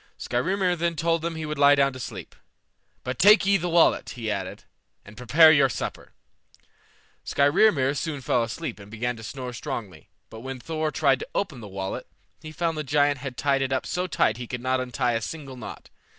Skrymir then told them he would lie down to sleep. "But take ye the wallet," he added, "and prepare your supper." Skrymir soon fell asleep and began to snore strongly; but when Thor tried to open the wallet, he found the giant had tied it up so tight he could not untie a single knot.